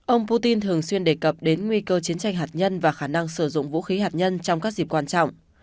ông putin thường xuyên đề cập đến nguy cơ chiến tranh hạt nhân và khả năng sử dụng vũ khí hạt nhân trong các dịp quan trọng